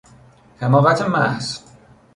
حماقت محض